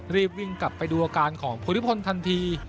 รีบวิ่งกลับไปดูอาการของภูริพลทันที